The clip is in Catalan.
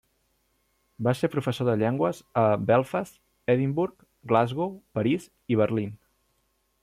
Va ser professor de llengües a Belfast, Edimburg, Glasgow, París i Berlín.